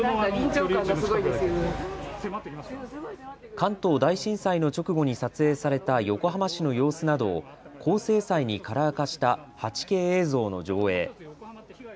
関東大震災の直後に撮影された横浜市の様子などを高精細にカラー化した８Ｋ映像の上映。